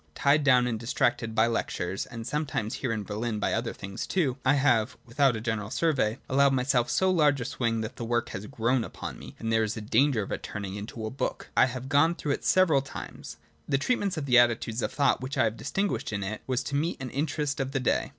Tied down and distracted by lectures, and sometimes here in Berlin by other things too, I have — without a general survey — allowed myself so large a swing that the work has grown upon me, and there was a danger of its turn ing into a book. I have gone through it several times. The treatment of the attitudes (of thought) which I have distinguished in it was to meet an interest of the day.